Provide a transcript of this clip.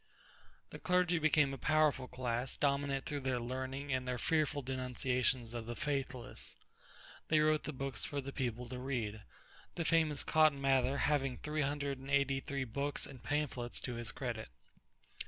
The clergy became a powerful class, dominant through their learning and their fearful denunciations of the faithless. They wrote the books for the people to read the famous Cotton Mather having three hundred and eighty three books and pamphlets to his credit.